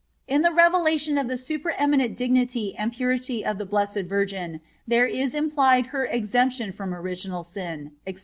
In the revelation of the super eminent dignity and purity of the Blessed Virgin there is implied her exemption from original sin, etc.